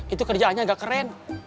itu kerjaannya agak keren